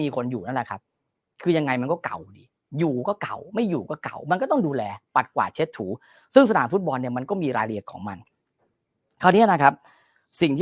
ฟุตบอลเนี่ยมันก็มีรายละเอียดของมันพอเนี่ยนะครับสิ่งที่